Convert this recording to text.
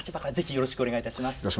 よろしくお願いします。